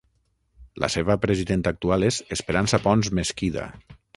La seva presidenta actual és Esperança Pons Mesquida.